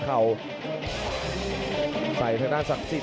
ขวางแขงขวาเจอเททิ้ง